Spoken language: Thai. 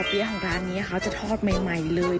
ของร้านนี้เขาจะทอดใหม่เลย